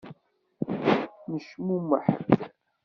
Necmumeḥ-d.